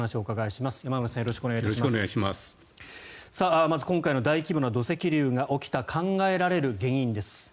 まず今回の大規模な土石流が起きた考えられる原因です。